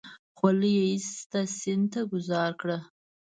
خولۍ يې ايسته سيند ته گوزار کړه.